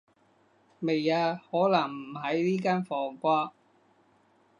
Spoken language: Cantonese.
未啊，可能唔喺呢間房啩